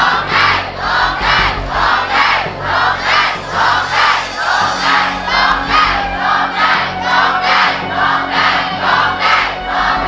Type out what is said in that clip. ร้องได้ร้องได้ร้องได้ร้องได้